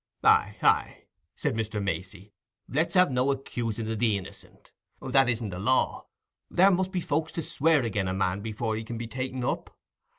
"Aye, aye," said Mr. Macey; "let's have no accusing o' the innicent. That isn't the law. There must be folks to swear again' a man before he can be ta'en up.